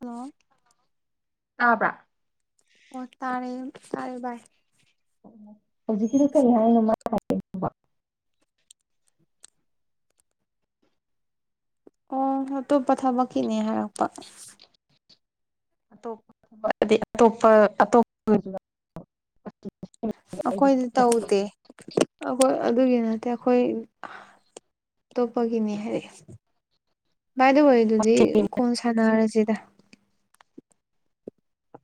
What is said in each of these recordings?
hello ꯇꯥꯕ꯭ꯔꯥ ꯑꯣ ꯇꯥꯔꯦ ꯇꯥꯔꯦ ꯕꯥꯢ ꯍꯧꯖꯤꯛꯀꯤꯗꯨ ꯀꯩ ꯍꯥꯏꯅꯣ ꯃꯥꯅ ꯍꯥꯏ ꯍꯥꯏꯗꯨꯕꯣ ꯑꯣ ꯍꯣꯇꯨꯞ ꯄ ꯊꯕꯛꯀꯤꯅꯦ ꯍꯥꯏꯔꯛꯄ ꯑꯇꯣꯞꯄ ꯑꯗꯤ ꯑꯇꯣꯞꯄ ꯑꯇꯣꯞ [unintelligible] ꯑꯩꯈꯣꯏꯗꯤ ꯇꯧꯗꯦ ꯑꯩꯈꯣꯏ ꯑꯗꯨꯒꯤ ꯅꯠꯇꯦ ꯑꯩꯈꯣꯏ ꯑ ꯑꯇꯣꯞꯄꯒꯤꯅꯦ ꯍꯥꯏꯔꯦ ꯚꯥꯏ ꯑꯗꯨ ꯋꯥꯔꯤꯗꯨꯗꯤ ꯀꯣꯟ ꯁꯥꯟꯅꯔꯁꯤꯗ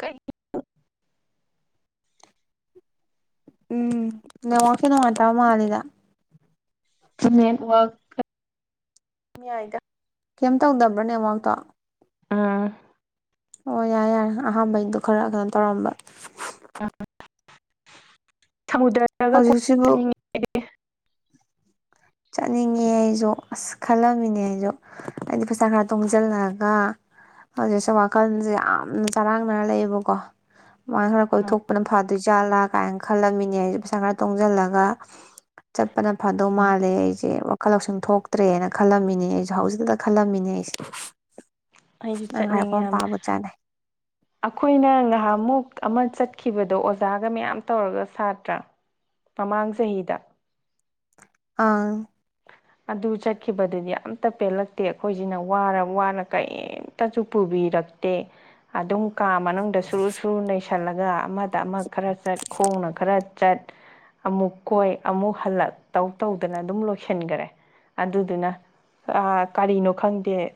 ꯀꯩꯅꯣ ꯎꯝ ꯅꯦꯠꯋ꯭ꯔꯛ ꯁꯦ ꯅꯨꯉꯥꯢꯇꯦ ꯇꯥ ꯃꯥꯂꯤꯗ ꯅꯦꯠꯋ꯭ꯔꯛ ꯇꯠ ꯉꯥꯏꯗ ꯀꯩꯝ ꯇꯧꯗꯕ꯭ꯔꯣ ꯅꯦꯠꯋ꯭ꯔꯛꯇꯣ ꯑꯥ ꯑꯣ ꯌꯥꯔꯦ ꯌꯥꯔꯦ ꯑꯍꯥꯝꯕꯩꯗꯣ ꯈꯔ ꯀꯩꯅꯣ ꯇꯧꯔꯝꯕ [unintelligible] ꯁꯃꯨꯗ꯭ꯔꯗꯒ ꯀꯣꯏ ꯍꯧꯖꯤꯛꯁꯤꯕꯨ ꯆꯠꯅꯤꯡꯉꯦ ꯆꯠꯅꯤꯡꯉꯦ ꯑꯩꯁꯨ ꯑꯁ ꯈꯜꯂꯝꯃꯤꯅꯦ ꯑꯩꯁꯨ ꯍꯥꯏꯗꯤ ꯄꯩꯁꯥ ꯈꯔ ꯇꯣꯡꯁꯤꯜꯂꯒ ꯍꯧꯖꯤꯛꯁꯨ ꯋꯥꯈꯜꯁꯦ ꯌꯥꯝꯅ ꯆꯔꯥꯡꯅꯔ ꯂꯩꯌꯦꯕꯀꯣ ꯃꯥꯅ ꯈꯔ ꯀꯣꯏꯊꯣꯛꯄꯅ ꯐꯗꯣꯏꯖꯥꯜꯂꯥ ꯀꯥꯏꯅ ꯈꯜꯂꯝꯃꯤꯅꯦ ꯑꯩꯁꯨ ꯄꯩꯁꯥ ꯈꯔ ꯇꯣꯡꯁꯤꯜꯂꯒ ꯆꯠꯄꯅ ꯐꯥꯗꯧꯃꯥꯜ ꯑꯩꯁꯦ ꯋꯥꯈꯜ ꯂꯧꯁꯤꯡ ꯊꯣꯛꯇ꯭ꯔꯦꯅ ꯈꯜꯂꯝꯃꯤꯅꯦ ꯑꯩꯁꯨ ꯍꯧꯖꯤꯛꯗ ꯈꯜꯂꯝꯃꯤꯅꯦ ꯑꯩꯁꯦ ꯑꯩꯁꯨ ꯅꯪ ꯍꯥꯏꯔꯛꯄ ꯆꯠꯅꯤꯡꯉꯦ ꯌꯥꯝ ꯃꯄꯥꯕꯨ ꯆꯥꯅꯩ ꯑꯩꯈꯣꯏꯅ ꯉꯍꯥꯃꯨꯛ ꯑꯃ ꯆꯠꯈꯤꯕꯗꯣ ꯑꯣꯖꯥꯒ ꯃꯌꯥꯝ ꯇꯧꯔꯒ ꯁꯥꯇ꯭ꯔ ꯃꯃꯥꯡ ꯆꯍꯤꯗ ꯑꯪ ꯑꯗꯨ ꯆꯠꯈꯤꯕꯗꯨꯗꯤ ꯑꯃꯇ ꯄꯦꯜꯂꯛꯇꯦ ꯑꯩꯈꯣꯏꯁꯤꯅ ꯋꯥꯔ ꯋꯥꯅ ꯀꯔꯤꯝꯇꯁꯨ ꯄꯨꯕꯤꯔꯛꯇꯦ ꯑꯗꯨꯝ ꯀꯥ ꯃꯅꯨꯡꯗ ꯁꯨꯔꯨ ꯁꯨꯔꯨ ꯅꯩꯁ ꯁꯜꯂꯒ ꯑꯃ ꯑꯃ ꯈꯔ ꯆꯠ ꯈꯣꯡꯅ ꯈꯔ ꯆꯠ ꯑꯃꯨꯛ ꯀꯣꯏ ꯑꯃꯨꯛ ꯍꯜꯂꯛ ꯇꯧ ꯇꯧꯗꯅ ꯑꯗꯨꯝ ꯂꯣꯏ ꯁꯤꯟꯈꯔꯦ ꯑꯗꯨꯗꯨꯅ ꯑꯥ ꯀꯔꯤꯅꯣ ꯈꯪꯗꯦ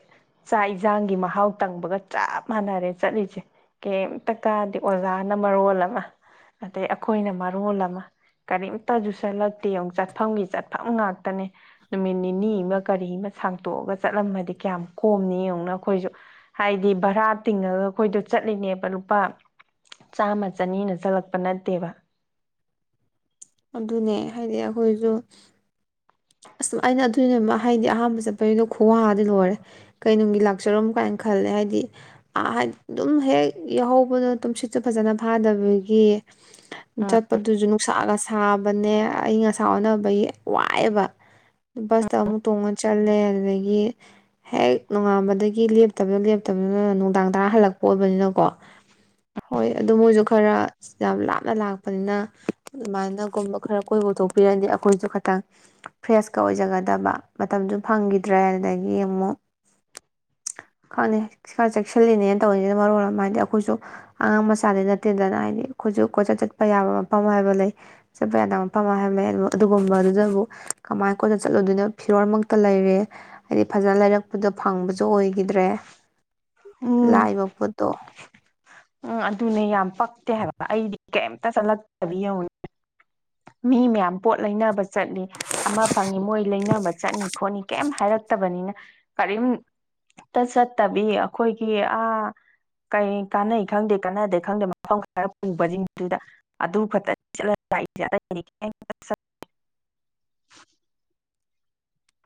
ꯆꯥꯛ ꯏꯟꯁꯥꯡꯒꯤ ꯃꯍꯥꯎ ꯇꯪꯕꯒ ꯆꯞ ꯃꯥꯟꯅꯔꯦ ꯆꯠꯂꯤꯁꯦ ꯀꯩꯝꯇ ꯀꯥꯗꯦ ꯑꯣꯖꯥꯅ ꯃꯔꯣꯜ ꯑꯃ ꯑꯗꯩ ꯑꯩꯈꯣꯏꯅ ꯃꯔꯣꯜ ꯑꯃ ꯀꯔꯤꯝꯇꯁꯨꯨ ꯁꯦꯜꯂꯛꯇꯦ ꯌꯦꯡꯉꯣ ꯆꯠꯐꯝꯒꯤ ꯆꯠꯐꯝ ꯉꯥꯛ ꯇꯅꯦ ꯅꯨꯃꯤꯠ ꯅꯤꯅꯤ ꯑꯃ ꯀꯔꯤ ꯑꯃ ꯁꯥꯡꯇꯣꯛꯑꯒ ꯆꯠꯂꯝꯃꯗꯤ ꯀꯌꯥꯝ ꯀꯣꯝꯅꯤ ꯌꯦꯡꯉꯨꯅ ꯑꯩꯈꯣꯏꯁꯨ ꯍꯥꯏꯗꯤ ꯚꯔꯥ ꯇꯤꯡꯉꯒ ꯑꯩꯈꯣꯏꯗꯣ ꯆꯠꯂꯤꯅꯦꯕ ꯂꯨꯄꯥ ꯆꯥꯝꯃ ꯆꯅꯤꯅ ꯆꯠꯂꯛꯄ ꯅꯠꯇꯦꯕ ꯑꯗꯨꯅꯦ ꯍꯥꯏꯗꯤ ꯑꯩꯈꯣꯏꯖꯨ ꯑꯁ ꯑꯩꯅ ꯑꯗꯨꯅꯦ ꯍꯥꯏꯗꯤ ꯑꯍꯥꯟꯕ ꯆꯠꯄꯒꯤꯗꯣ ꯈꯨꯋꯥꯗꯤ ꯂꯣꯏꯔꯦ ꯀꯩꯅꯨꯡꯒꯤ ꯂꯥꯛꯆꯔꯝ ꯀꯥꯏꯅ ꯈꯜꯂꯦ ꯍꯥꯏꯗꯤ ꯑꯍ ꯑꯗꯨꯝ ꯍꯦꯛ ꯌꯥꯎꯍꯧꯕꯗꯣ ꯇꯨꯝꯁꯤꯠꯁꯨ ꯐꯖꯅ ꯐꯥꯗꯕꯒꯤ ꯎꯝ ꯆꯠꯄꯗꯨꯁꯨ ꯅꯨꯡꯁꯥꯒ ꯁꯥꯕꯅꯦ ꯑꯏꯪ ꯑꯁꯥ ꯑꯣꯟꯅꯕꯒꯤ ꯋꯥꯏꯑꯦꯕ ꯕꯁꯇ ꯑꯃꯨꯛ ꯇꯣꯡꯉ ꯆꯠꯂꯦ ꯑꯗꯨꯗꯒꯤ ꯍꯦꯛ ꯅꯣꯡꯉꯥꯟꯕꯗꯒꯤ ꯂꯦꯞꯇꯕꯗꯨꯅ ꯂꯦꯞꯇꯕꯗꯨꯅ ꯅꯨꯡꯗꯥꯡ ꯇꯔꯥ ꯍꯜꯂꯛꯄ ꯑꯣꯏꯕꯅꯤꯅꯀꯣ ꯍꯣꯏ ꯑꯗꯨ [unintelligible] ꯈꯔ ꯌꯥꯝ ꯂꯥꯞꯅ ꯂꯥꯛꯄꯅꯤꯅ ꯑꯗꯨꯃꯥꯏꯅꯒꯨꯝꯕ ꯈꯔ ꯀꯣꯏꯕꯄꯨꯊꯣꯛꯄꯤꯔꯗꯤ ꯑꯩꯈꯣꯏꯁꯨ ꯈꯇꯪ ꯐ꯭ꯔꯦꯁꯀ ꯑꯣꯏꯖꯒꯗꯕ ꯃꯇꯝꯁꯨ ꯐꯪꯈꯤꯗ꯭ꯔꯦ ꯑꯗꯥꯒꯤ ꯑꯃꯨꯛ ꯈꯪꯗꯦ ꯈꯔ ꯆꯦꯛꯁꯤꯜꯂꯤꯅꯦꯅ ꯇꯧꯔꯤꯁꯤꯅ ꯃꯔꯣꯜ ꯑꯃ ꯑꯩꯈꯣꯏꯁꯨ ꯑꯉꯥꯡ ꯃꯆꯥꯗꯤ ꯅꯠꯇꯦꯗꯅ ꯍꯥꯏꯗꯤ ꯑꯩꯈꯣꯏꯁꯨ ꯀꯣꯏꯆꯠ ꯆꯠꯄ ꯌꯥꯕ ꯃꯐꯝ ꯍꯥꯏꯕ ꯂꯩ ꯆꯠꯄ ꯌꯥꯗꯕ ꯃꯐꯝ ꯍꯥꯏꯕ ꯂꯩ ꯑꯗꯨꯒꯨꯝꯕꯗꯨꯗꯕꯨ ꯀꯃꯥꯏ ꯀꯣꯟꯅ ꯆꯠꯂꯨꯗꯣꯏꯅꯣ ꯐꯤꯔꯣꯜꯃꯛꯇ ꯂꯩꯔꯦ ꯍꯥꯏꯗꯤ ꯐꯖꯅ ꯂꯩꯔꯛꯄꯗꯣ ꯐꯪꯕꯁꯨ ꯑꯣꯏꯒꯤꯗ꯭ꯔꯦ ꯎꯝ ꯂꯥꯛꯏꯕ ꯄꯣꯠꯇꯣ ꯎꯝ ꯑꯗꯨꯅꯦ ꯌꯥꯝ ꯄꯛꯇꯦ ꯍꯥꯏꯕ ꯑꯩꯗꯤ ꯀꯩꯝꯇ ꯆꯠꯂꯛꯇꯕꯤ ꯌꯡꯎꯅꯦ ꯃꯤ ꯃꯌꯥꯝ ꯄꯣꯠ ꯂꯩꯅꯕ ꯆꯠꯂꯤ ꯑꯃ ꯐꯪꯏ ꯃꯣꯏ ꯂꯩꯅꯕ ꯆꯠꯅꯤ ꯈꯣꯠꯅꯤ ꯀꯩꯝ ꯍꯥꯏꯔꯛꯇꯕꯅꯤꯅ ꯀꯔꯤꯝꯇ ꯆꯠꯇꯕꯤ ꯑꯩꯈꯣꯏꯒꯤ ꯑꯥ ꯀꯩ ꯀꯥꯟꯅꯩ ꯈꯪꯗꯦ ꯀꯥꯟꯅꯗꯦ ꯈꯪꯗꯦ ꯃꯐꯝ ꯈꯔ ꯄꯨꯕꯁꯤꯡꯗꯨꯗ ꯑꯗꯨ ꯈꯛꯇ ꯂꯥꯛꯏꯁꯦ ꯑꯇꯩꯗꯤ [unintelligible]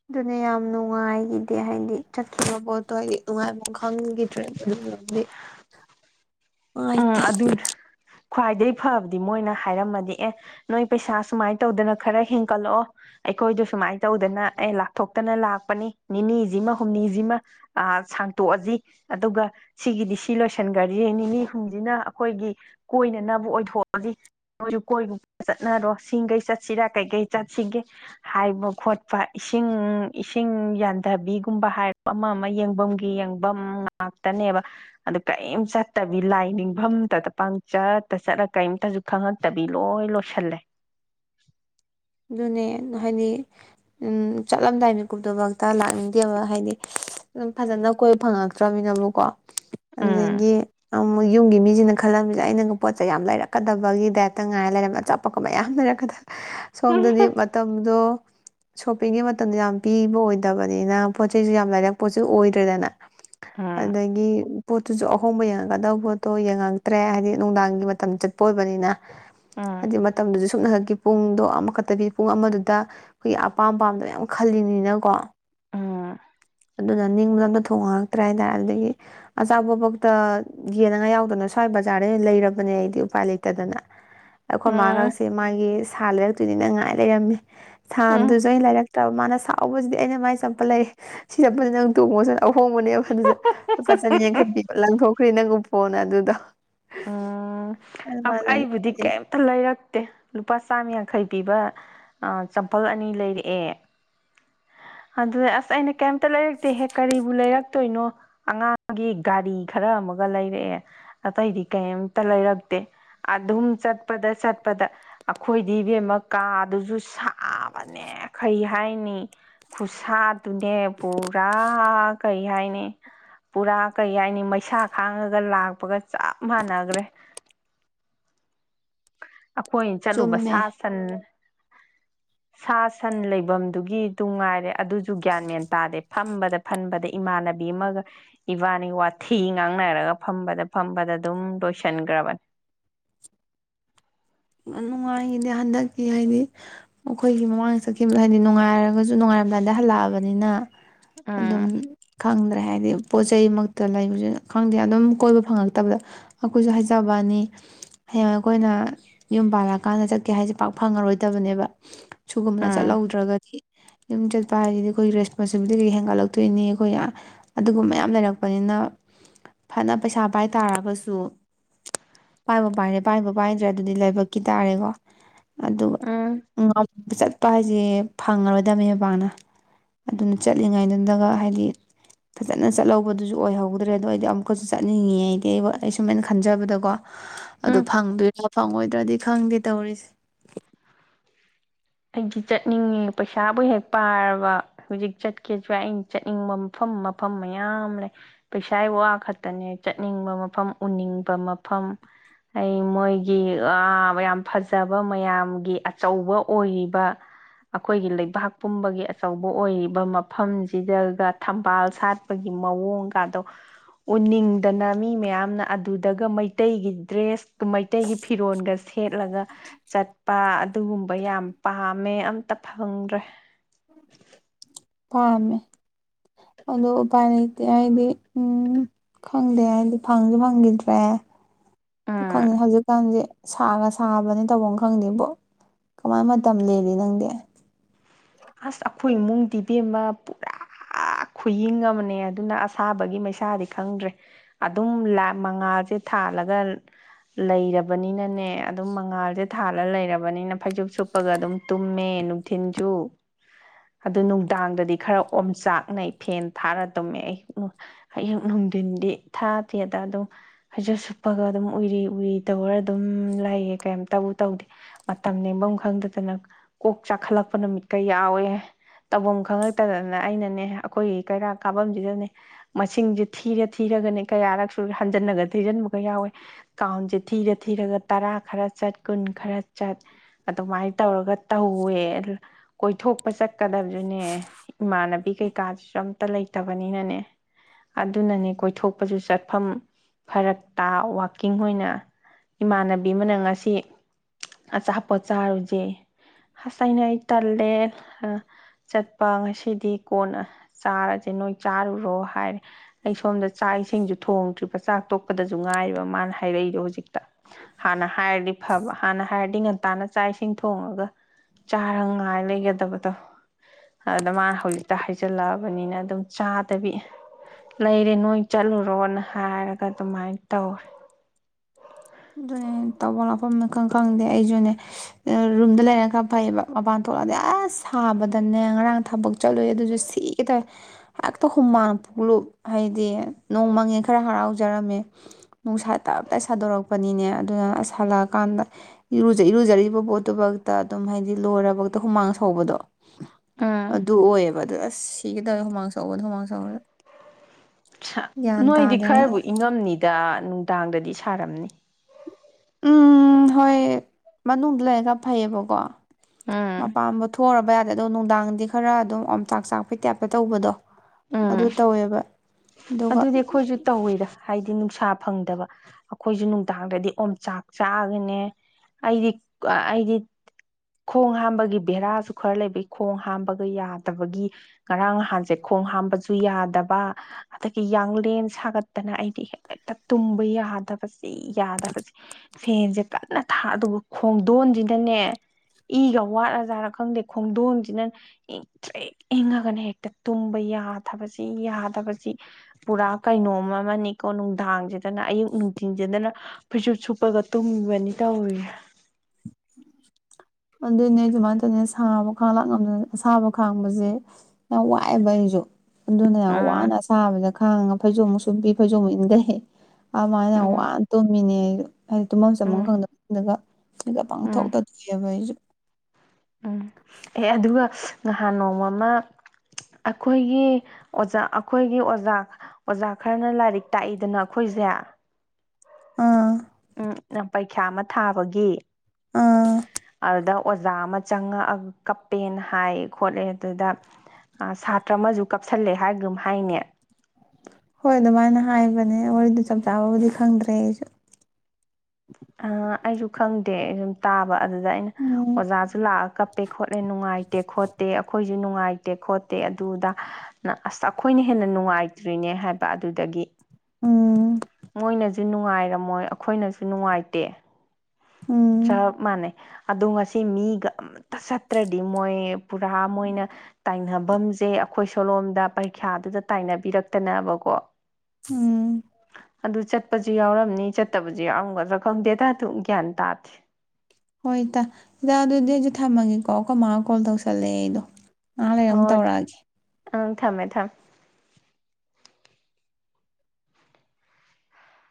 ꯑꯗꯨꯅꯦ ꯌꯥꯝ ꯅꯨꯡꯉꯥꯏꯒꯤꯗꯦ ꯍꯥꯏꯗꯤ ꯆꯠꯇꯈꯤꯕ ꯄꯣꯠꯇꯣ ꯍꯥꯏꯗꯤ ꯅꯨꯡꯉꯥꯏꯐꯝꯥꯎ ꯈꯪꯈꯤꯗ꯭ꯔꯦ ꯑꯗꯨꯗꯨꯒꯤ ꯅꯨꯡꯉꯥꯏꯇꯦ ꯈ꯭ꯋꯥꯏꯗꯒꯤ ꯐꯕꯗꯤ ꯃꯣꯏꯅ ꯍꯥꯏꯔꯝꯃꯗꯤ ꯑꯦ ꯅꯣꯏ ꯄꯩꯁꯥ ꯁꯨꯃꯥꯏ ꯇꯧꯗꯅ ꯈꯔ ꯍꯦꯟꯀꯠꯂꯛꯑꯣ ꯑꯩꯈꯣꯏꯗꯣ ꯁꯨꯃꯥꯏꯅ ꯇꯧꯗꯅ ꯑꯦ ꯂꯥꯊꯣꯛꯇꯅ ꯂꯥꯛꯄꯅꯤ ꯅꯤꯅꯤꯁꯤꯃ ꯍꯨꯝꯅꯤꯁꯤꯃ ꯑꯥ ꯁꯥꯡꯇꯣꯛꯑꯁꯤ ꯑꯗꯨꯒ ꯁꯤꯒꯤꯗꯤ ꯁꯤ ꯂꯣꯏꯁꯤꯟꯈ꯭ꯔꯖꯤ ꯅꯤꯅꯤ ꯁꯤꯡꯁꯤꯅ ꯑꯩꯈꯣꯏꯒꯤ ꯀꯣꯏꯅꯅꯕ ꯑꯣꯏꯊꯣꯛꯑꯁꯤ ꯃꯣꯏꯁꯨ ꯀꯣꯏꯒꯨꯝ ꯆꯠꯅꯔꯣ ꯁꯤꯡꯈꯩ ꯆꯠꯁꯤꯔꯥ ꯀꯩꯀꯩ ꯆꯠꯁꯤꯒꯦ ꯍꯥꯏꯕ ꯈꯣꯠꯄ ꯏꯁꯤꯡ ꯏꯁꯤꯡ ꯌꯥꯟꯊꯕꯤꯒꯨꯝꯕ ꯍꯥꯏꯔ ꯑꯃ ꯑꯃ ꯌꯦꯡꯐꯝꯒꯤ ꯌꯦꯡꯐꯝ ꯉꯥꯛꯇꯅꯦꯕ ꯑꯗꯨ ꯀꯔꯤꯝ ꯆꯠꯇꯕꯤ ꯍꯥꯏꯗꯤ ꯂꯥꯏ ꯅꯤꯡꯐꯝꯇꯗ ꯄꯥꯡꯆꯠꯇ ꯆꯠꯂ ꯀꯔꯤꯝꯇꯁꯨ ꯈꯪꯉꯛꯇꯕꯤ ꯂꯣꯏ ꯂꯣꯁꯤꯜꯂꯦ ꯑꯗꯨꯅꯦ ꯍꯥꯏꯗꯤ ꯆꯠꯂꯝꯗꯥꯏ ꯃꯤꯀꯨꯞꯇꯃꯛꯇ ꯂꯥꯛꯅꯤꯡꯗꯦꯕ ꯍꯥꯏꯗꯤ ꯑꯗꯨꯝ ꯐꯖꯅ ꯀꯣꯏꯕ ꯐꯪꯉꯛꯇ꯭ꯔꯕꯅꯤꯅꯕꯨꯀꯣ ꯎꯝ ꯑꯗꯨꯗꯒꯤ ꯌꯨꯝꯒꯤ ꯃꯤꯁꯤꯅ ꯈꯜꯂꯝꯃꯤꯁꯦ ꯑꯩꯅ ꯄꯣꯠꯁꯦ ꯌꯥꯝ ꯂꯩꯔꯛꯀꯗꯕꯒꯤ ꯗꯥꯞꯇ ꯉꯥꯏꯔ ꯂꯩꯔꯝꯃꯦ ꯑꯆꯥꯄꯣꯠ ꯃꯌꯥꯝ ꯂꯩꯔꯛꯀ ꯁꯣꯝꯗꯗꯤ ꯎꯝ ꯃꯇꯝꯗꯣ ꯁꯣꯞꯄꯤꯡꯒꯤ ꯃꯇꯝꯗ ꯌꯥꯝ ꯄꯤꯕ ꯑꯣꯏꯗꯕꯅꯤꯅ ꯄꯣꯠ ꯆꯩꯩꯁꯨ ꯌꯥꯝ ꯂꯩꯔꯛꯄꯁꯨ ꯄꯣꯠꯁꯨ ꯑꯣꯏꯗ꯭ꯔꯦꯗꯅ ꯑꯗꯒꯤ ꯄꯣꯠꯇꯨꯁꯨ ꯑꯍꯣꯡꯕ ꯌꯦꯡꯉꯛꯀꯗꯕ ꯄꯣꯠꯇꯣ ꯌꯦꯡꯉꯛꯇ꯭ꯔꯦ ꯍꯥꯏꯗꯤ ꯅꯨꯡꯗꯥꯡꯒꯤ ꯃꯇꯝ ꯆꯠꯄ ꯑꯣꯏꯕꯅꯤꯅ ꯎꯝ ꯍꯥꯏꯗꯤ ꯃꯇꯝꯗꯨꯁꯨ ꯁꯨꯞꯅꯍꯟ ꯍꯧꯖꯤꯛꯇꯤ ꯄꯨꯡꯗꯣ ꯑꯃꯨꯛ ꯄꯈꯠꯇꯕꯤ ꯄꯨꯡ ꯑꯃꯗꯨꯗ ꯑꯩꯈꯣꯏꯒꯤ ꯑꯄꯥꯝ ꯄꯥꯝꯗ ꯃꯌꯥꯝ ꯈꯜꯂꯤꯅꯤꯅꯀꯣ ꯎꯝ ꯑꯗꯨꯅ ꯅꯤꯡꯕꯗꯣ ꯑꯝꯇ ꯊꯨꯡꯉꯛꯇ꯭ꯔꯦ ꯍꯥꯏ ꯇꯔꯦ ꯑꯗꯨꯗꯒꯤ ꯑꯆꯥꯄꯣꯠꯕꯥꯎꯇ ꯌꯦꯟꯅꯉꯥꯏ ꯌꯥꯎꯗꯅ ꯁ꯭ꯋꯥꯏ ꯕꯖꯥꯔꯗ ꯑꯣꯏꯅ ꯂꯩꯔꯕꯅꯦ ꯑꯩꯗꯤ ꯎꯄꯥꯏ ꯂꯩꯇꯗꯅ ꯑꯩꯈꯣꯏ ꯎꯝ ꯃꯥꯒꯁꯦ ꯃꯥꯒꯤ ꯊꯥꯟ ꯂꯩꯔꯛ ꯑꯗꯨꯅꯤ ꯅꯩ ꯉꯥꯏ ꯂꯩꯔꯝꯃꯦ ꯁꯥꯟ ꯎꯝ ꯗꯨꯖꯨ ꯑꯩꯅ ꯂꯩꯔꯛ ꯅꯠꯇ꯭ꯔ ꯃꯥꯅ ꯁꯥꯎꯎꯕꯁꯤꯗꯤ ꯑꯩꯅ ꯃꯥꯏ ꯆꯝꯄꯜ ꯂꯩꯌꯦ ꯁꯤ ꯆꯝꯄꯜ ꯁꯤꯗꯤ ꯅꯪ ꯇꯣꯡꯉ ꯆꯠ ꯑꯍꯣꯡꯕꯅꯦꯕ ꯗꯨꯁꯨ ꯂꯨꯄꯥ ꯆꯅꯤ ꯌꯥꯡꯈꯩ ꯄꯤꯕ ꯂꯥꯡꯊꯣꯛ [unintelligible] ꯑꯥ ꯑꯩꯕꯨꯗꯤ ꯀꯩꯝꯇ ꯂꯩꯔꯛ ꯇꯦ ꯂꯨꯄꯥ ꯆꯥꯝ ꯌꯥꯡꯈꯩ ꯄꯤꯕ ꯑꯥ ꯆꯝꯄꯜ ꯑꯅꯤ ꯂꯩꯔꯛꯑꯦ ꯑꯗꯨꯅꯦ ꯑꯁ ꯑꯩꯅ ꯀꯩꯝꯇ ꯂꯩꯔꯛꯇꯦ ꯍꯦ ꯀꯔꯤꯕꯨ ꯂꯩꯔꯛ ꯇꯣꯏꯅꯣ ꯑꯉꯥꯡꯒꯤ ꯒꯥꯔꯤ ꯈꯔꯥ ꯑꯃꯒ ꯂꯩꯔꯛꯑꯦ ꯑꯇꯩꯗꯤ ꯀꯩꯝꯇ ꯂꯩꯔꯛꯇꯦ ꯑꯗꯨꯝ ꯆꯠꯄꯗ ꯆꯠꯄꯗ ꯑꯩꯈꯣꯏꯗꯤ ꯏꯕꯦꯝꯃ ꯀꯥꯗꯨꯁꯨ ꯁꯥ ꯁꯥꯕꯅꯦ ꯈꯩꯌ [unintelligible] ꯈꯨꯨꯁꯥꯠ ꯗꯨꯅꯦ ꯄꯨꯔꯥ ꯀꯩ ꯍꯥꯏꯅꯤ ꯄꯨꯔꯥ ꯀꯩ ꯍꯥꯏꯅꯤ ꯃꯩꯁꯥ ꯈꯥꯡꯉꯒ ꯂꯥꯛꯄꯒ ꯆꯞ ꯃꯥꯟꯅꯒ꯭ꯔꯦ ꯑꯩꯈꯣꯏ ꯆꯠꯂꯨꯕ ꯆꯨꯝꯃꯦ ꯁꯥ ꯁꯟ ꯁꯥ ꯁꯟ ꯂꯩꯕꯝꯗꯨꯒꯤ ꯇꯨꯉꯥꯏꯔꯦ ꯑꯗꯨ ꯨꯒ꯭ꯌꯥꯥꯟꯃꯦꯟ ꯇꯥꯗꯦ ꯐꯝꯕꯗ ꯐꯝꯕꯗ ꯏꯃꯥꯟꯅꯕꯤ ꯑꯃꯒ ꯏꯕꯥꯅꯤ ꯋꯥꯊꯤ ꯉꯥꯡꯅꯔꯒ ꯐꯝꯕꯗ ꯐꯝꯕꯗ ꯑꯗꯨꯝ ꯂꯣꯏꯁꯟꯈ꯭ꯔꯕꯅꯤ ꯅꯨꯡꯉꯥꯏꯈꯤꯗꯦ ꯍꯟꯗꯛꯀꯤ ꯍꯥꯏꯗꯤ ꯑꯩꯈꯣꯏꯒꯤ ꯃꯃꯥꯡꯗ ꯆꯠꯈꯤꯕꯗꯣ ꯍꯥꯏꯗꯤ ꯅꯨꯡꯉꯥꯏꯔꯒꯁꯨ ꯅꯨꯡꯉꯥꯏꯔꯝꯗꯥꯏꯗ ꯍꯜꯂꯛꯑꯕꯅꯤꯅ ꯑꯗꯨꯝ ꯎꯝ ꯈꯪꯗ꯭ꯔꯦ ꯍꯥꯏꯗꯤ ꯄꯣꯠꯆꯩ ꯃꯛꯇ ꯂꯩꯕꯁꯨ ꯈꯪꯗꯦ ꯑꯗꯨꯝ ꯀꯣꯏꯕ ꯐꯪꯉꯛꯇꯕꯗꯣ ꯑꯩꯈꯣꯏꯁꯨ ꯍꯥꯏꯖ ꯋꯥꯅꯤ ꯍꯌꯦꯡ ꯑꯩꯈꯣꯏꯅ ꯌꯨꯝ ꯄꯥꯜꯂꯛꯀꯥꯟꯗ ꯆꯠꯀꯦ ꯍꯥꯏꯁꯦ ꯄꯥꯛ ꯐꯪꯉꯔꯣꯏꯗꯕꯅꯦꯕ ꯁꯨꯒꯨꯝꯕ ꯎꯝ ꯆꯠꯂꯧꯗ꯭ꯔꯒꯗꯤ ꯌꯨꯝ ꯆꯠꯄ ꯍꯥꯏꯁꯤꯗꯤ ꯑꯩꯈꯣꯏꯒꯤ ꯔꯦꯁꯄꯣꯟꯁꯤꯕꯤꯂꯤꯇꯤ ꯍꯦꯟꯒꯠꯂꯛꯇꯣꯏꯅꯤ ꯑꯩꯈꯣꯏ ꯑ ꯑꯗꯨꯒꯨꯝꯕ ꯃꯌꯥꯝ ꯂꯩꯔꯛꯄꯅꯤꯅ ꯐꯅ ꯄꯩꯁꯥ ꯄꯥꯏ ꯇꯥꯔꯒꯁꯨ ꯄꯥꯏꯕꯨ ꯄꯥꯏꯔꯦ ꯄꯥꯏꯕꯨ ꯄꯥꯏꯗ꯭ꯔꯦ ꯑꯗꯨꯗꯤ ꯂꯦꯞ ꯕꯛꯀꯤ ꯇꯥꯔꯦꯀꯣ ꯑꯗꯨꯒ ꯎꯝ ꯆꯠꯄ ꯍꯥꯏꯁꯦ ꯐꯪꯉꯔꯣꯏꯗꯝꯅꯦ ꯃꯕꯥꯥꯡꯅ ꯑꯗꯨꯅ ꯆꯠꯂꯤꯉꯩꯗꯨꯗꯒ ꯍꯥꯏꯗꯤ ꯐꯖꯅ ꯆꯠꯍꯧꯕꯗꯨꯁꯨ ꯑꯣꯏꯍꯧꯗ꯭ꯔꯦꯗꯣ ꯑꯩꯗꯤ ꯑꯃꯨꯛꯀꯁꯨ ꯆꯠꯅꯤꯡꯉꯤꯌꯦ ꯍꯥꯏꯗꯤ ꯑꯩ ꯑꯩ ꯁꯨꯃꯥꯏꯅ ꯈꯟꯖꯕꯗꯀꯣ ꯑꯗꯨ ꯎꯝ ꯐꯪꯗꯣꯏꯕꯣ [unintelligible] ꯔꯇ꯭ꯔꯗꯤ ꯈꯪꯗꯦ ꯇꯧꯔꯤꯁꯦ ꯑꯩꯗꯤ ꯆꯠꯅꯤꯡꯉꯦ ꯄꯩꯁꯥꯕꯨ ꯍꯦꯛ ꯄꯥꯏꯔꯕ ꯍꯧꯖꯤꯛ ꯆꯠꯀꯦꯁꯨ ꯌꯥꯏ ꯑꯩꯅ ꯆꯠꯅꯤꯡꯕ ꯃꯐꯝ ꯃꯐꯝ ꯃꯌꯥꯝ ꯂꯩ ꯄꯩꯁꯥꯒꯤ ꯋꯥ ꯈꯛꯇꯅꯦ ꯆꯠꯅꯤꯡꯕ ꯃꯐꯝ ꯎꯅꯤꯡꯕ ꯃꯐꯝ ꯑꯩ ꯃꯣꯏꯒꯤ ꯑꯥ ꯃꯌꯥꯝ ꯐꯖꯕ ꯃꯌꯥꯝꯒꯤ ꯑꯆꯧꯕ ꯑꯣꯏꯔꯤꯕ ꯑꯩꯈꯣꯏꯒꯤ ꯂꯩꯕꯥꯛ ꯄꯨꯝꯕꯒꯤ ꯑꯆꯧꯕ ꯑꯣꯏꯔꯤꯕ ꯃꯐꯝꯁꯤꯗꯒ ꯊꯝꯕꯥꯜ ꯁꯥꯠꯄꯒꯤ ꯃꯑꯣꯡꯒꯗꯣ ꯎꯅꯤꯡꯗꯅ ꯃꯤ ꯃꯌꯥꯝꯅ ꯑꯗꯨꯗꯒ ꯃꯩꯇꯩꯒꯤ ꯗ꯭ꯔꯦꯁ ꯃꯩꯇꯩꯒꯤ ꯐꯤꯔꯣꯟꯒꯁꯦ ꯁꯦꯠꯂꯒ ꯆꯠꯄ ꯑꯗꯨꯒꯨꯝꯕ ꯌꯥꯝ ꯄꯥꯝꯃꯦ ꯑꯝꯇ ꯐꯪꯗ꯭ꯔꯦ ꯄꯥꯝꯃꯦ ꯑꯗꯣ ꯎꯄꯥꯏ ꯂꯩꯇꯦ ꯍꯥꯏꯗꯤ ꯎꯝ ꯈꯪꯗꯦ ꯍꯥꯏꯗꯤ ꯐꯪꯁꯨ ꯐꯪꯈꯤꯗ꯭ꯔꯦ ꯑꯗꯨ ꯎꯝ ꯈꯪꯗꯦ ꯍꯧꯖꯤꯛꯀꯥꯟꯁꯦ ꯁꯥꯒ ꯁꯥꯕꯅꯦ ꯇꯧꯕꯝ ꯈꯪꯗꯦꯕꯣ ꯀꯃꯥꯏ ꯃꯇꯝ ꯂꯦꯟꯂꯤ ꯅꯪꯗꯤ ꯑꯁ ꯑꯩꯈꯣꯏ ꯏꯃꯨꯡꯗꯤ ꯇꯤꯕꯦꯝꯃ ꯄꯨꯔꯥ ꯈꯨꯏꯪ ꯑꯃꯅꯦ ꯑꯗꯨꯅ ꯑꯁꯥꯕꯒꯤ ꯃꯩꯁꯥꯗꯤ ꯈꯪꯗ꯭ꯔꯦ ꯑꯗꯨꯝ ꯂꯥꯞ ꯃꯉꯥꯜꯁꯦ ꯊꯥꯜꯂꯒ ꯂꯩꯔꯕꯅꯤꯅꯅꯦ ꯑꯗꯨꯝ ꯃꯉꯥꯜꯁꯦ ꯊꯥꯜꯂ ꯂꯩꯔꯕꯅꯤꯅ ꯐꯩꯖꯨꯞ ꯁꯨꯞꯄꯒ ꯑꯗꯨꯝ ꯇꯨꯝꯃꯦ ꯅꯨꯡꯊꯤꯟꯁꯨ ꯑꯗꯨ ꯅꯨꯡꯗꯥꯡꯗꯗꯤ ꯈꯔ ꯑꯣꯝꯆꯥꯛꯅꯩ ꯐꯦꯟ ꯊꯥꯔ ꯇꯨꯝꯃꯦ ꯑꯌꯨꯛ ꯑꯌꯨꯛ ꯅꯨꯡꯗꯤꯟꯗꯤ ꯊꯥꯗꯦꯗ ꯑꯗꯨꯝ ꯐꯩꯖꯨꯞ ꯁꯨꯞꯄꯒ ꯑꯗꯨꯝ ꯎꯏꯔꯤ ꯎꯏꯔꯤ ꯇꯧꯔ ꯑꯗꯨꯝ ꯂꯩꯌꯦ ꯀꯩꯝꯇꯕꯨ ꯇꯧꯗꯦ ꯃꯇꯝ ꯂꯦꯟꯕꯝ ꯈꯪꯗꯗꯅ ꯀꯣꯛ ꯆꯥꯛꯈꯠꯂꯛꯄ ꯅꯨꯃꯤ ꯀꯩ ꯌꯥꯎꯋꯦ ꯇꯧꯐꯝ ꯈꯪꯉꯛꯇꯗꯅ ꯑꯩꯅꯅꯦ ꯑꯩꯈꯣꯏꯒꯤ ꯀꯩꯔꯥꯛ ꯀꯥꯕꯝꯁꯤꯗꯅꯦ ꯃꯁꯤꯡꯁꯦ ꯊꯤꯔ ꯊꯤꯔꯒꯅꯦ ꯀꯌꯥꯔꯛꯁꯨ ꯍꯟꯖꯤꯟꯅꯒ ꯊꯤꯖꯤꯟꯕꯒ ꯌꯥꯎꯋꯦ ꯀꯥꯎꯟꯁꯦ ꯊꯤꯔ ꯊꯤꯔꯒ ꯇꯔꯥ ꯈꯔ ꯆꯠ ꯀꯨꯟ ꯈꯔ ꯆꯠ ꯑꯗꯨꯃꯥꯏ ꯇꯧꯔꯒ ꯇꯧꯋꯦ ꯑꯗꯨ ꯀꯣꯏꯊꯣꯛꯄ ꯆꯠꯀꯗꯕꯖꯨꯅꯦ ꯏꯃꯥꯟꯅꯕꯤ ꯀꯩꯀꯥꯗꯨꯁꯨ ꯑꯝꯇ ꯂꯩꯇꯕꯅꯤꯅꯅꯦ ꯑꯗꯨꯅꯅꯦ ꯀꯣꯏꯊꯣꯛꯄꯖꯨ ꯆꯠꯐꯝ ꯐꯔꯛ ꯇꯥ ꯋꯥꯛꯀꯤꯡ ꯑꯣꯏꯅ ꯏꯃꯥꯟꯅꯕꯤ ꯑꯃꯅ ꯉꯁꯤ ꯑꯆꯥꯄꯣꯠ ꯆꯥꯔꯨꯖꯦ ꯑꯁ ꯑꯩꯅ ꯑꯩ ꯇꯜ ꯂꯦ ꯍ ꯆꯠꯄ ꯉꯁꯤꯗꯤ ꯀꯣꯟꯅ ꯆꯥꯔꯖꯦ ꯅꯣꯏ ꯆꯥꯔꯨꯔꯣ ꯍꯥꯏꯔꯦ ꯑꯩ ꯁꯣꯝꯗ ꯆꯥꯛ ꯏꯁꯤꯡꯖꯨ ꯊꯣꯡꯗ꯭ꯔꯤ ꯆꯆꯥ ꯇꯣꯛ ꯄꯗꯖꯨ ꯉꯥꯏꯔꯤꯕ ꯃꯥꯅ ꯍꯥꯏꯔꯛꯏꯗꯣ ꯍꯧꯖꯤꯛꯇ ꯍꯥꯟꯅ ꯍꯥꯏꯔꯗꯤ ꯐꯕ ꯍꯥꯟꯅ ꯍꯥꯏꯔꯗꯤ ꯉꯟ ꯇꯥꯅ ꯆꯥꯛ ꯏꯁꯤꯡ ꯊꯣꯡꯉꯒ ꯆꯥꯔ ꯉ ꯉꯥꯏ ꯂꯩꯒꯗꯕꯗꯣ ꯑꯗꯗ ꯃꯥꯅ ꯍꯧꯖꯤꯛꯇ ꯍꯥꯏꯖꯤꯜꯂꯛꯑꯕꯅꯤꯅ ꯑꯗꯨꯝ ꯆꯥꯗꯕꯤ ꯂꯩꯔꯦ ꯅꯣꯏ ꯆꯠꯂꯨꯔꯣꯅ ꯍꯥꯏꯔꯒ ꯑꯗꯨꯃꯥꯏꯅ ꯇꯧꯔꯦ ꯑꯗꯨꯅꯦ ꯇꯧꯕꯝ ꯂꯥꯛꯐꯝ ꯑꯝ ꯈꯪ ꯈꯪꯗꯦ ꯑꯩꯖꯨꯅꯦ ꯔꯨꯝꯗ ꯂꯩꯔꯒ ꯈ ꯐꯩꯕ ꯃꯄꯥꯟ ꯊꯣꯛꯂꯛꯑꯗꯤ ꯑꯁ ꯁꯥꯕꯗꯅꯦ ꯉꯔꯥꯡ ꯊꯕꯛ ꯆꯠꯂꯨꯏ ꯑꯗꯨꯁꯨ ꯁꯤꯒꯦ ꯇꯧꯌꯦ ꯍꯦꯛꯇ ꯍꯨꯃꯥꯡ ꯄꯨꯛꯂꯨꯞ ꯍꯥꯏꯗꯤ ꯅꯣꯡ ꯃꯪꯉꯦ ꯈꯔ ꯍꯔꯥꯎꯖꯔꯝꯃꯦ ꯅꯨꯡꯁꯥ ꯇꯞ ꯇꯥꯢ ꯁꯥꯗꯣꯔꯛ ꯄꯅꯤꯅꯦ ꯑꯗꯨꯅ ꯑꯁ ꯍꯜꯂꯛꯑꯀꯥꯟꯗ ꯏꯔꯨꯖ ꯏꯔꯨꯖꯔꯤꯕ ꯄꯣꯠꯇꯨꯕꯣꯛꯇ ꯑꯗꯨꯝ ꯍꯥꯏꯗꯤ ꯂꯣꯏꯔꯕꯣꯛꯇ ꯍꯨꯃꯥꯡ ꯁꯧꯕꯗꯣ ꯎꯝ ꯑꯗꯨ ꯑꯣꯏꯌꯦꯕ ꯑꯗꯨ ꯑꯁ [inaudible] ꯁꯧꯕꯗ ꯁ ꯒ꯭ꯌꯥꯟ ꯅꯣꯏꯗꯤ ꯇꯥꯗꯦ ꯍꯥꯏ ꯈꯔꯕꯨ ꯏꯪꯉꯝꯅꯤꯗ ꯅꯨꯡ ꯗꯥꯡꯗꯗꯤ ꯁꯥꯔꯝꯅꯤ ꯎꯝ ꯍꯣꯏ ꯃꯅꯨꯡꯗ ꯂꯩꯔꯒ ꯐꯩꯌꯦꯕꯀꯣ ꯎꯝ ꯃꯄꯥꯟꯕꯨ ꯊꯣꯛꯎꯔꯕ ꯌꯥ ꯑ ꯑꯗꯣ ꯅꯨꯡꯗꯥꯡꯗꯤ ꯈꯔ ꯑꯗꯨꯝ ꯑꯣꯝꯆꯥꯛ ꯆꯥꯛꯄꯩ ꯇꯥꯏꯞꯇ ꯇꯧꯕꯗꯣ ꯎꯝ ꯑꯗꯨ ꯇꯧꯋꯦꯕ ꯑꯗꯨꯒ ꯑꯗꯨꯗꯤ ꯑꯩꯈꯣꯏꯖꯨ ꯇꯧꯋꯤꯗ ꯍꯥꯏꯗꯤ ꯅꯨꯡꯁꯥ ꯐꯪꯗꯕ ꯑꯩꯈꯣꯏꯖꯨ ꯅꯨꯡꯗꯥꯡꯗꯗꯤ ꯑꯣꯝꯆꯥꯛ ꯆꯥꯛꯑꯒꯅꯦ ꯑꯩꯗꯤ ꯑꯩꯗꯤ ꯈꯣꯡ ꯍꯥꯝꯕꯒꯤ ꯕꯦꯔꯥꯖꯨ ꯈꯔ ꯂꯩꯕꯒꯤ ꯈꯣꯡ ꯍꯥꯝꯕꯒ ꯌꯥꯗꯕꯒꯤ ꯉꯔꯥꯡ ꯉꯍꯥꯟꯖꯦ ꯈꯣꯡ ꯍꯥꯝꯕꯖꯨ ꯌꯥꯗꯕ ꯑꯗꯒꯤ ꯌꯥꯡꯂꯦꯟ ꯁꯥꯒꯠꯇꯅ ꯑꯩꯗꯤ ꯍꯦꯛꯇ ꯇꯨꯝꯕ ꯌꯥꯗꯕꯖꯤ ꯌꯥꯗꯕꯖꯤ ꯐꯦꯟꯖꯦ ꯀꯟꯅ ꯊꯥ ꯑꯗꯨꯕꯨ ꯈꯣꯡꯗꯣꯟꯖꯤꯅꯅꯦ ꯏꯒ ꯋꯥꯠꯂꯖꯥꯔ ꯈꯪꯗꯦ ꯈꯣꯡꯗꯣꯟꯖꯤꯅ ꯏꯪꯇ꯭ꯔꯤꯛ ꯏꯪꯉꯒꯅꯦ ꯍꯦꯛꯇ ꯇꯨꯝꯕ ꯌꯥꯗꯕꯖꯤ ꯌꯥꯗꯕꯖꯤ ꯄꯨꯔꯥ ꯀꯩꯅꯣꯝꯃ ꯑꯃꯅꯤꯅꯤꯀꯣ ꯅꯨꯡꯗꯥꯡꯖꯤꯗꯅ ꯑꯌꯨꯛ ꯅꯨꯡꯊꯤꯟꯖꯤꯗꯅ ꯐꯩꯖꯨꯞ ꯁꯨꯞꯄꯒ ꯇꯨꯝꯃꯤꯕꯅꯤ ꯇꯧꯔꯤ ꯑꯗꯨꯅꯦ ꯑꯗꯨꯃꯥꯏꯅ ꯇꯧꯅꯦ ꯁꯥꯕ ꯈꯥꯡ ꯂꯥꯛ ꯉꯝꯗꯕ ꯑꯁꯥꯕ ꯈꯥꯡꯕꯖꯦ ꯌꯥꯝ ꯋꯥꯏꯑꯦꯕ ꯑꯩꯖꯨ ꯑꯗꯨꯅꯦ ꯌꯥꯝ ꯎꯝ ꯋꯥꯅ ꯑꯁꯥꯥꯕꯖꯦ ꯈꯥꯡꯉ ꯐꯩꯖꯨꯞ ꯑꯃꯨꯛ ꯁꯨꯞꯄꯤ ꯐꯩꯖꯨꯞ ꯑꯃꯨꯛ ꯗꯍꯦ ꯑꯃꯥꯢꯅ ꯌꯥꯝ ꯎꯝ ꯋꯥꯅ ꯇꯨꯝꯃꯤꯅꯤ ꯑꯩꯖꯨ ꯍꯥꯏꯗꯤ ꯇꯨꯝꯃꯝ ꯆꯥꯕꯝ ꯎꯝ ꯈꯪꯗꯕꯗꯒ ꯐꯝꯗꯒ ꯖꯤꯗ ꯎꯝ ꯄꯪꯊꯣꯛꯇ [unintelligible] ꯎꯝ ꯑꯦ ꯑꯗꯨꯒ ꯅꯍꯥꯟ ꯅꯣꯡꯃꯃ ꯑꯩꯈꯣꯏꯒꯤ ꯑꯣꯖꯥ ꯑꯩꯈꯣꯏꯒꯤ ꯑꯣꯖꯥ ꯑꯣꯖꯥ ꯈꯔꯅ ꯂꯥꯏꯔꯤꯛ ꯇꯥꯛꯏꯗꯅ ꯑꯩꯈꯣꯏꯖꯦ ꯑꯥ ꯎꯝ ꯄꯩꯈ꯭ꯌꯥ ꯑꯃ ꯊꯥꯕꯒꯤ ꯑꯥ ꯑꯗꯨꯗ ꯑꯣꯖꯥ ꯑꯃ ꯆꯪꯉꯛꯑꯒ ꯀꯞꯄꯦꯅ ꯍꯥꯏ ꯈꯣꯠꯂꯦ ꯑꯗꯨꯗ ꯁꯥꯇ꯭ꯔ ꯑꯃꯖꯨ ꯀꯞꯁꯜꯂꯦ ꯍꯥꯏꯒꯨꯝ ꯍꯥꯏꯅꯦ ꯍꯣꯏ ꯑꯗꯨꯃꯥꯏꯅ ꯍꯥꯏꯕꯅꯦ ꯋꯥꯔꯤꯗꯤ ꯆꯞ ꯆꯥꯕꯕꯨꯗꯤ ꯈꯪꯗ꯭ꯔꯦ ꯑꯩꯖꯨ ꯑ ꯑꯩꯖꯨ ꯈꯪꯗꯦ ꯑꯗꯨꯝ ꯇꯥꯕ ꯑꯗꯨꯗ ꯑꯩꯅ ꯎꯝ ꯑꯣꯖꯥꯖꯨ ꯂꯥꯛꯑ ꯀꯞ ꯈꯣꯠꯂꯦ ꯅꯨꯡꯉꯥꯏꯇꯦ ꯈꯣꯠꯇꯦ ꯑꯈꯣꯏ ꯅꯨꯡꯉꯥꯏꯇꯦ ꯈꯣꯠꯇꯦ ꯑꯗꯨꯗ ꯅ ꯑꯁ ꯑꯩꯈꯣꯏꯅ ꯍꯦꯟꯅ ꯅꯨꯡꯉꯥꯏꯇ꯭ꯔꯤꯅꯦ ꯍꯥꯏꯕ ꯑꯗꯨꯗꯒꯤ ꯎꯝ ꯃꯣꯏꯅꯖꯨ ꯅꯨꯡꯉꯥꯏꯔꯝꯃꯣꯏ ꯑꯈꯣꯏꯅꯁꯨ ꯅꯨꯡꯉꯥꯏꯇꯦ ꯎꯝ ꯆꯞ ꯃꯥꯟꯅꯩ ꯑꯗꯣ ꯉꯁꯤ ꯃꯤꯒ ꯑꯃꯠꯇ ꯆꯠꯇ꯭ꯔꯗꯤ ꯃꯣꯏ ꯄꯨꯔꯥ ꯃꯣꯏꯅ ꯇꯥꯏꯅꯕꯝꯁꯦ ꯑꯩꯈꯣꯏ ꯁꯣꯂꯣꯝꯗ ꯄꯔꯤꯈ꯭ꯌꯥꯗꯨꯗ ꯇꯥꯏꯅꯕꯤꯔꯛꯇꯅꯕꯀꯣ ꯎꯝ ꯑꯗꯨ ꯆꯠꯄꯁꯨ ꯌꯥꯎꯔꯝꯅꯤ ꯆꯠꯇꯕꯁꯨ ꯌꯥꯎꯔꯝꯒꯗ꯭ꯔꯥ ꯈꯪꯗꯦꯗ ꯑꯗꯨ ꯒ꯭ꯌꯥꯟ ꯇꯥ ꯍꯣꯏ ꯏꯇꯥ ꯗꯥ ꯑꯗꯨꯗꯤ ꯊꯝꯃꯒꯦꯀꯣ ꯑꯈꯣꯏꯃꯥ ꯀꯣꯜ ꯇꯧꯁꯜꯂꯛꯑꯦ ꯑꯩꯗꯣ ꯉꯥꯍꯛ ꯂꯩꯔꯑ ꯃꯨꯛ ꯇꯧꯔꯛꯑꯒꯦ ꯑꯧ ꯊꯝꯃꯦ ꯊꯝ